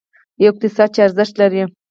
یو اقتصاد چې ارزښت لري.